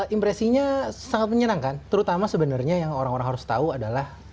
impresinya sangat menyenangkan terutama sebenarnya yang orang orang harus tahu adalah panelnya ini oled